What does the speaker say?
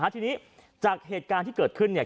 ทีนี้จากเหตุการณ์ที่เกิดขึ้นเนี่ย